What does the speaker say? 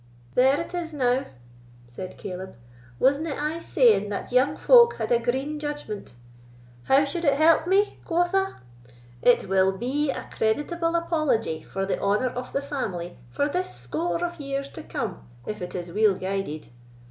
"There it is now?" said Caleb; "wasna I saying that young folk had a green judgment? How suld it help me, quotha? It will be a creditable apology for the honour of the family for this score of years to come, if it is weel guided.